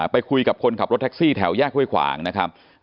ไปคุยกับคนขับรถแท็กซี่แถวแยกห้วยขวางนะครับ